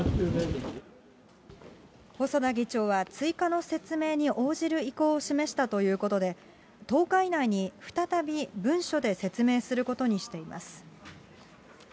細田議長は追加の説明に応じる意向を示したということで、１０日以内に再び文書で説明することにしています。